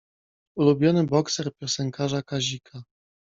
Ulubiony bokser piosenkarza Kazika.